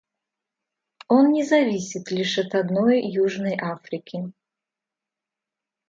Он не зависит лишь от одной Южной Африки.